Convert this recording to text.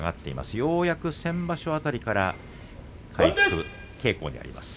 ようやく先場所辺りから回復傾向にあります。